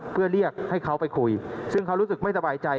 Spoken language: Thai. เพื่อเรียกให้เขาไปคุยซึ่งเขารู้สึกไม่สบายใจ